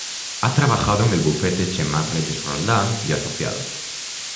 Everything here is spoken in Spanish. Ha trabajado en el bufete Chemás-Reyes-Roldán y Asociados.